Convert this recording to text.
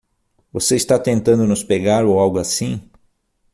Você está tentando nos pegar ou algo assim?